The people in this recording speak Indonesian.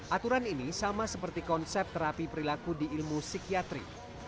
aturan ini sama seperti konsep terapi perilaku di ilmu psikiatri